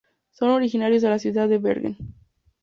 Son originarios de la ciudad de Bergen.